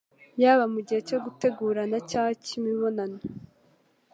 Yaba mugihe cyo gutegurana cyangwa cy'imibonano